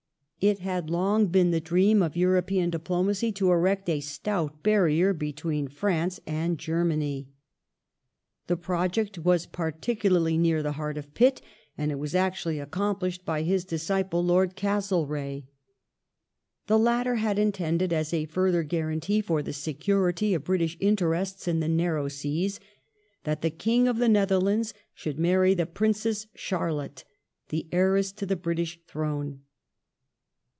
It had long been the dream of European diplomacy to erect a stout barrier between France and Germany. The project was particularly near the heart of Pitt, and it was actually accomplished by his disciple, Lord Castlereagh. The latter had intended, as a further guarantee for the security of British interests in the narrow seas, that the King of the Netherlands should marry the Princess Charlotte, the heiress to the British throne.